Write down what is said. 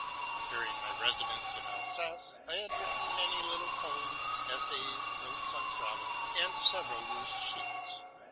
During my residence in Alsace. T had written many little poems, essays, notes on travel, and several loose sheets.